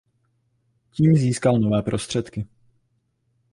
Tím získal nové prostředky.